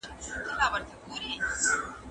په ناحقه مال خوړل د انساني ارزښتونو سپکاوی دی.